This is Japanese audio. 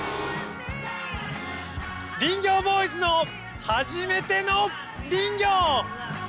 林業ボーイズのはじめての林業！